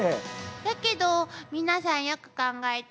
だけど皆さんよく考えて。